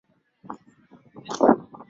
historia ya Tanzania ina mambo mengi